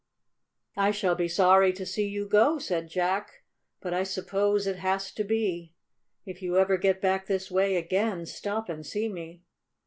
"I shall be sorry to see you go," said Jack, "but I suppose it has to be. If you ever get back this way again, stop and see me."